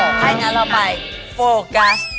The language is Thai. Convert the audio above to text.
ใช่นะเราไปโฟกัส